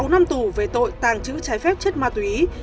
sáu năm tù về tội tàng trữ trái phép chất ma túy